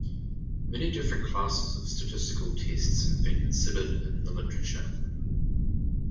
Many different classes of statistical tests have been considered in the literature.